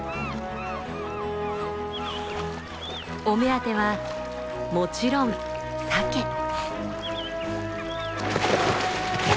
お目当てはもちろんサケ。